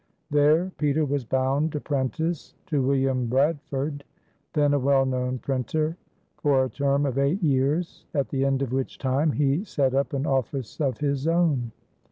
There Peter was bound apprentice to William Bradford, then a well known printer, for a term of eight years, at the end of which time he set up an office of his own.